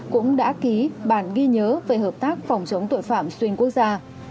cũng đã ký bản ghi nhớ về hợp tác phòng chống tội phạm xuyên quốc gia